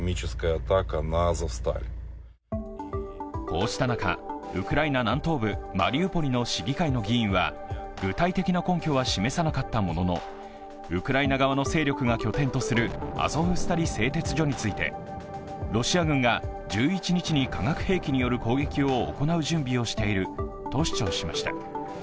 こうした中、ウクライナ南東部マリウポリの市議会の議員は具体的な根拠は示さなかったもののウクライナ側の勢力が拠点とするアゾフスタリ製鉄所についてロシア軍が１１日に化学兵器による攻撃を行う準備をしていると主張しました。